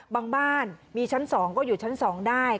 บ้านมีชั้น๒ก็อยู่ชั้น๒ได้